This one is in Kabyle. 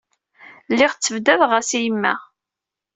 Lliɣ ttabdadeɣ-as i yemma.